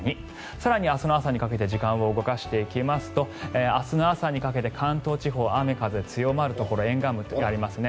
更に、明日の朝にかけて時間を動かしていきますと明日の朝にかけて関東地方雨、風強まるところ沿岸部にありますね。